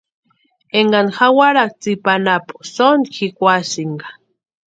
Énkani jawaraka tsipa anapu sontku jikwasïnka.